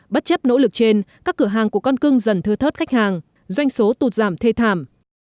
bất chấp nỗ lực trên các cửa hàng của con cưng dần thưa thớt khách hàng doanh số tụt giảm thê thảm